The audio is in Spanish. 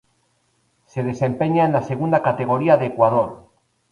Se desempeña en la Segunda Categoría de Ecuador.